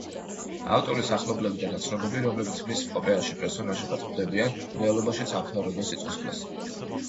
ავტორის ახლობლები და ნაცნობები, რომლებიც მის ოპერაში პერსონაჟებად ხვდებიან, რეალობაშიც ამთავრებენ სიცოცხლეს.